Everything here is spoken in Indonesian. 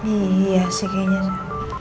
iya sih kayaknya